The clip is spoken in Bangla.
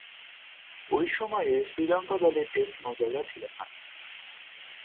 ঐ সময়ে শ্রীলঙ্কা দলের টেস্ট মর্যাদা ছিল না।